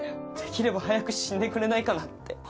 できれば早く死んでくれないかなって。